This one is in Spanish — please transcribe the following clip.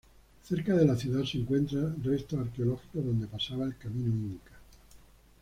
Cerca de la ciudad se encuentra restos arqueológicos donde pasaba el camino Inca.